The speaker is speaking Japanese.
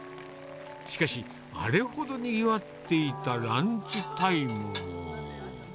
しかし、あれほどにぎわっていたランチタイムも。